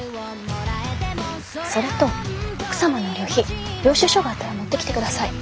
それと奥様の旅費領収書があったら持ってきて下さい。